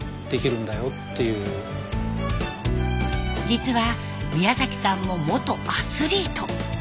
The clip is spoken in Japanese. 実は宮崎さんも元アスリート。